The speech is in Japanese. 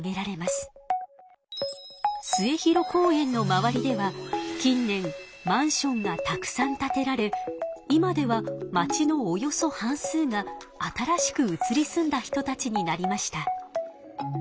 末広公園の周りでは近年マンションがたくさん建てられ今ではまちのおよそ半数が新しく移り住んだ人たちになりました。